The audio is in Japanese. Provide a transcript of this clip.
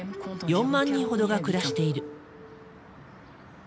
４万人ほどが暮らしている。